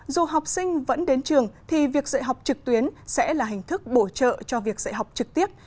dù học sinh vẫn đến trường thì việc dạy học trực tuyến sẽ là hình thức bổ trợ cho việc dạy học trực tiếp